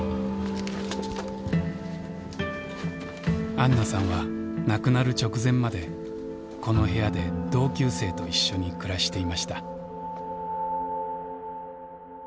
あんなさんは亡くなる直前までこの部屋で同級生と一緒に暮らしていました。